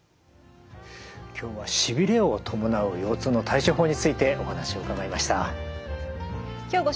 今日はしびれを伴う腰痛の対処法についてお話を伺いました。